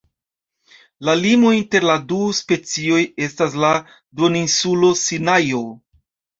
La limo inter la du specioj estas la duoninsulo Sinajo.